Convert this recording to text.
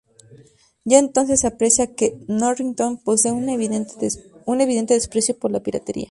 Ya entonces se aprecia que Norrington posee un evidente desprecio por la piratería.